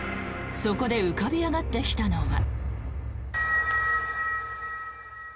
そこで浮かび上がってきたのは。